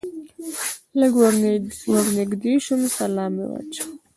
لږ ور نږدې شوم سلام مې واچاوه.